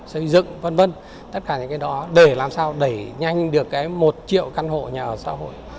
xây dựng v v tất cả những cái đó để làm sao đẩy nhanh được một triệu căn hộ nhà ở xã hội